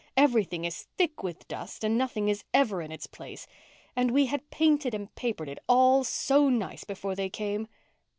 Everything is thick with dust and nothing is ever in its place. And we had painted and papered it all so nice before they came."